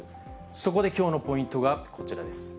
そこできょうのポイントがこちらです。